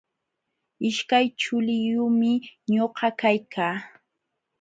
Ishkay chuliyumi ñuqa kaykaa.